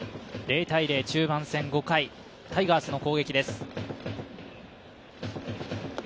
０−０、中盤戦、５回、タイガースの攻撃です。